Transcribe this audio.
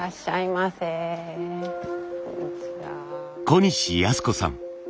小西寧子さん。